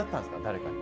誰かに。